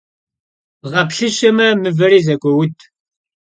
Bğeplhışeme, mıveri zeguoud.